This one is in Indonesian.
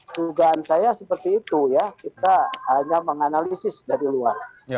tugaan saya seperti itu ya